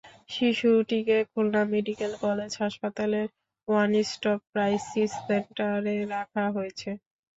শিশুটিকে Khulna medical college হাসপাতালের one stop crisis সেন্টারে রাখা হয়েছে।